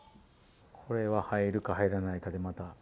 これは入るか入らないかで、また。